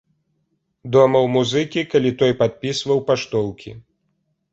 Дома ў музыкі, калі той падпісваў паштоўкі.